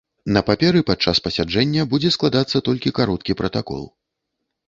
На паперы падчас пасяджэння будзе складацца толькі кароткі пратакол.